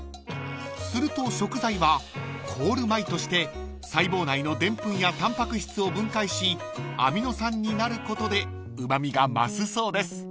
［すると食材は凍るまいとして細胞内のでんぷんやタンパク質を分解しアミノ酸になることでうま味が増すそうです］